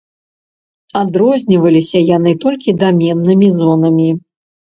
Адрозніваліся яны толькі даменнымі зонамі.